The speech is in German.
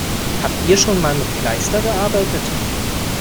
Habt ihr schon mal mit Kleister gearbeitet?